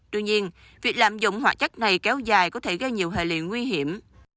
tuy nhiên việc lạm dụng hoạt chất này kéo dài có thể gây nhiều hệ liệu nguy hiểm